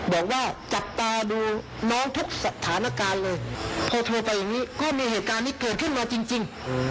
บอกว่าจับตาดูน้องทุกสถานการณ์เลยพอโทรไปอย่างนี้ก็มีเหตุการณ์นี้เกิดขึ้นมาจริง